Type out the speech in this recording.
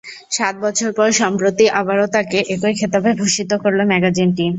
সাত বছর পর সম্প্রতি আবারও তাঁকে একই খেতাবে ভূষিত করল ম্যাগাজিনটি।